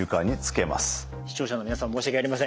視聴者の皆さん申し訳ありません。